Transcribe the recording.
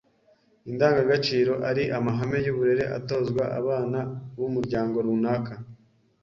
Indangaciro ari amahame y’uburere atozwa abana b’umuryango runaka.